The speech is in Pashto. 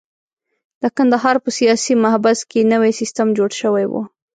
د کندهار په سیاسي محبس کې نوی سیستم جوړ شوی وو.